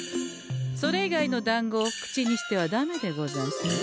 それ以外のだんごを口にしてはダメでござんすよ。